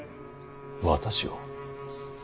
私を。